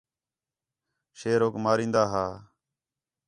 شیر ہوک مرین٘دا ہا